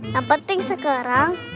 yang penting sekarang